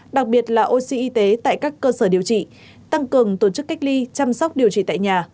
đặc biệt là oxy y tế tại các cơ sở điều trị tăng cường tổ chức cách ly chăm sóc điều trị tại nhà